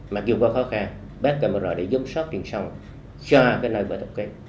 mặc dù có khó khăn bắt camera để giống sót đường sông cho cái nơi phải tập kết